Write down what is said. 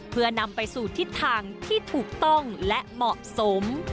เพื่อนำไปสู่ทิศทางที่ถูกต้องและเหมาะสม